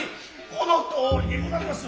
この通りでござります。